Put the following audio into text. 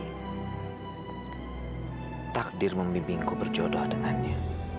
takdir membimbingku berjodoh dengannya